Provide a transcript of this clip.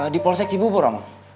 di polsek cibubur emang